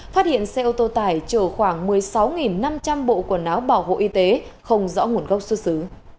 phát hiện xe ô tô tải chở khoảng một mươi sáu năm trăm linh bộ quần áo bảo hộ y tế không rõ nguồn gốc xuất xứ